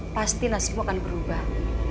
pasti nasibmu akan berubah